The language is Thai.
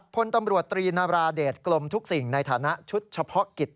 พลตำรวจตรีนาราเดชกลมทุกสิ่งในฐานะชุดเฉพาะกิจ